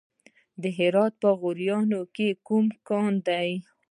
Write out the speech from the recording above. د هرات په غوریان کې کوم کان دی؟